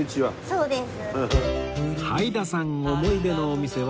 そうです。